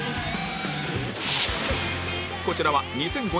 こちらは２００５年のライブ